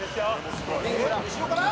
「後ろから？」